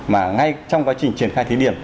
mà ngay trong quá trình triển khai thí điểm